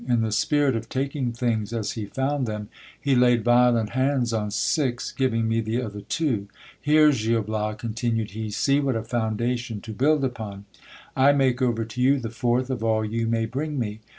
In the spirit of taking things as he found them, he laid violent hands on six, giving me the other two — Here, Gil Bias, continued he, see what a foundation tc build upon. I make over to you the fourth of all you may bring me.